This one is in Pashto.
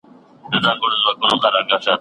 رسول الله په نفقه او لګښت کي پراخي او سخا کوله